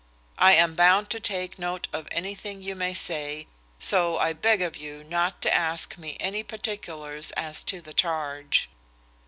I am bound to take note of anything you may say, so I beg of you not to ask me any particulars as to the charge."